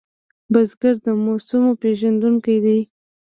بزګر د موسمو پېژندونکی دی